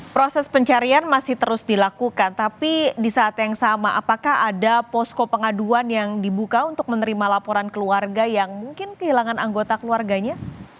proses pencarian masih terus dilakukan tapi di saat yang sama apakah ada posko pengaduan yang dibuka untuk menerima laporan keluarga yang mungkin kehilangan anggota keluarganya